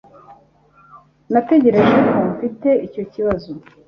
Natekereje ko mfite icyo kibazo